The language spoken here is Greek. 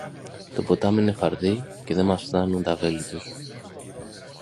Το ποτάμι είναι φαρδύ και δε μας φθάνουν τα βέλη τους.